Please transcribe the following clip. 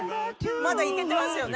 まだいけてますよね